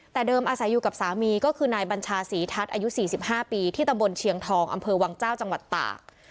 แต่เดิมอาศัยอยู่กับสามีก็คือนายบัญชาศรีทัศน์อายุ๔๕ปีที่ตำบลเชียงทองอำเภอวังเจ้าจังหวัดตาก